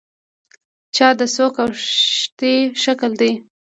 چا د څوک اوښتي شکل دی.